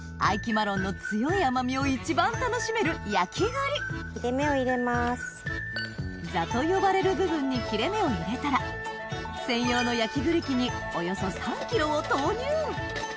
マロンの強い甘味を一番楽しめる焼栗「座」と呼ばれる部分に切れ目を入れたら専用の焼栗機におよそ３ｋｇを投入！